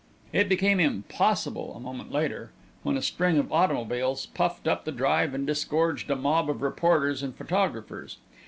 It became impossible a moment later, when a string of automobiles puffed up the drive and disgorged a mob of reporters and photographers.